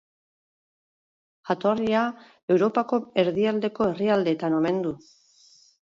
Jatorria Europako erdialdeko herrialdeetan omen du.